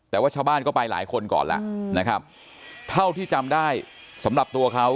แต่ว่าชาวบ้านก็ไปหลายคนก่อนแล้วนะครับเท่าที่จำได้สำหรับตัวเขา